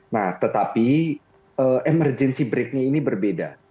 nah tetapi emergency breaknya ini berbeda